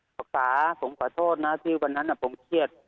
ภาษาผมขอโทษนะที่วันนั้นผมเครียด